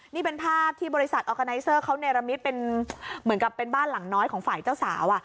นี่เป็นภาพที่บริษัทออร์กาไนเซอร์เขาเนรมิตเป็นเหมือนกับเป็นบ้านหลังน้อยของฝ่ายเจ้าสาว